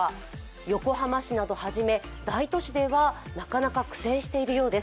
横浜市などをはじめ大都市などではなかなか苦戦しているようです。